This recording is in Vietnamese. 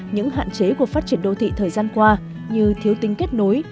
những hạn chế của phát triển đô thị thời gian qua như thiếu tính kết nối